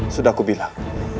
sudah aku bilang